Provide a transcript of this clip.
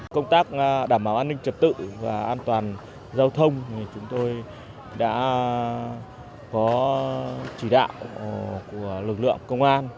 công tác đảm bảo an ninh trật tự và an toàn giao thông thì chúng tôi đã có chỉ đạo của lực lượng công an